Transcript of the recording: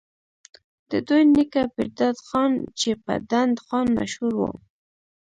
د دوي نيکه پيرداد خان چې پۀ ډنډ خان مشهور وو،